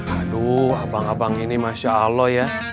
aduh abang abang ini masya allah ya